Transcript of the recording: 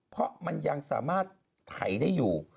เพราะมันยังสามารถไถได้อยู่